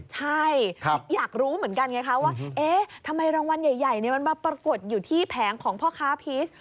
ใช่อยากรู้เหมือนกันไงคะว่าเอ๊ะทำไมรางวัลใหญ่มันมาปรากฏอยู่ที่แผงของพ่อค้าพีช